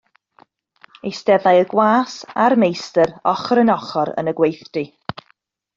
Eisteddai y gwas a'r meistr ochr yn ochr yn y gweithdy.